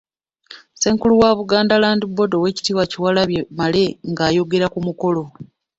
Ssenkulu wa Buganda Land Board Owekitiibwa Kyewalabye Male ng'ayogera ku mukolo.